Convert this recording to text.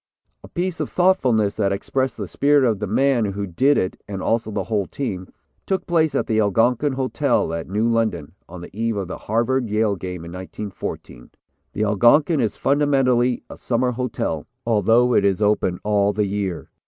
"A piece of thoughtfulness that expressed the spirit of the man who did it, and also the whole team, took place at the Algonquin Hotel at New London, on the eve of the Harvard Yale game in 1914. The Algonquin is fundamentally a summer hotel, although it is open all the year.